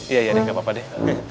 iya iya deh gak apa apa deh